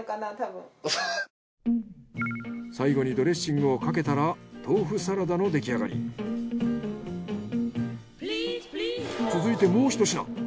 最後にドレッシングをかけたら豆腐サラダの出来上がり。続いてもうひと品。